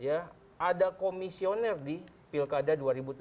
ada komisioner di pilkada dua ribu tujuh belas